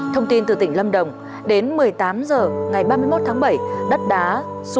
thông tin từ tỉnh lâm đồng đến một mươi tám h ngày ba mươi một tháng bảy đất đá sụt lở tại đèo bảo lộc đã được lực lượng chức năng dọn xong